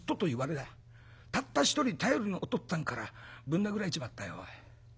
たった一人頼りのお父っつぁんからぶん殴られちまったよおい。